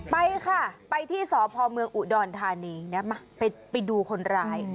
ไปค่ะไปที่สพเมืองอุดรธานีนะมาไปดูคนร้าย